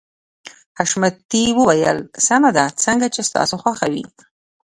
حشمتي وويل سمه ده څنګه چې ستاسو خوښه وي.